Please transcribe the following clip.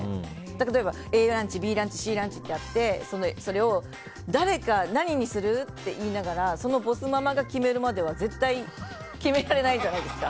例えば、Ａランチ、ＢランチＣランチってあってそれを誰が何にする？って言いながらそのボスママが決めるまでは絶対決められないじゃないですか。